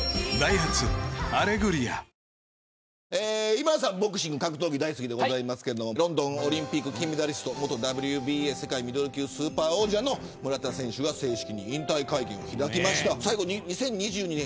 今田さん、ボクシング格闘技、大好きですけどロンドンオリンピック金メダリスト元ＷＢＡ世界ミドル級スーパー王者の村田選手が正式に引退会見を開きました。